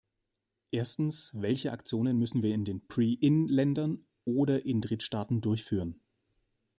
Erstens, welche Aktionen müssen wir in den "Pre-In "Ländern oder in Drittstaaten durchführen?